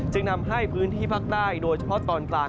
นำให้พื้นที่ภาคใต้โดยเฉพาะตอนกลาง